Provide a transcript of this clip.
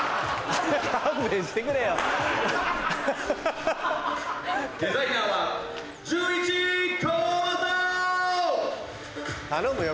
勘弁してくれよ。頼むよ